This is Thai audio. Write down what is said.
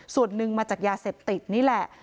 ส่วนหนึ่งมาจากยาเสพติดนี่แหละ